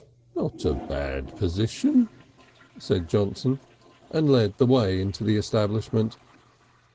"Not a bad position," said Johnson, and led the way into the establishment.